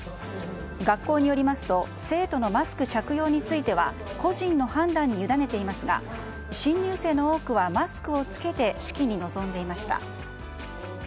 学校によりますと生徒のマスク着用については個人の判断にゆだねていますが新入生の多くはマスクを着けて式に臨んでいました。